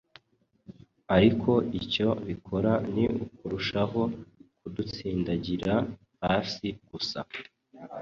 ariko icyo bikora ni ukurushaho kudutsindagira hasi gusa.